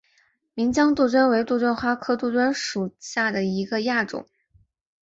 岷江杜鹃为杜鹃花科杜鹃属下的一个亚种。